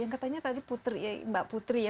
yang katanya tadi mbak putri ya